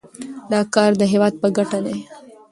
دا کار د هیواد په ګټه دی.